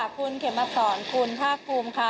คุณเขมสรคุณท่าคลุมค่ะ